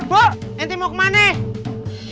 bu nanti mau kemana